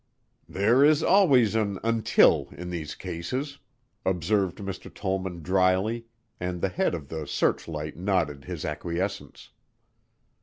"There is always an 'until' in these cases," observed Mr. Tollman dryly and the head of the "Searchlight" nodded his acquiescence.